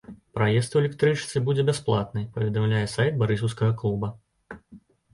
Праезд у электрычцы будзе бясплатны, паведамляе сайт барысаўскага клуба.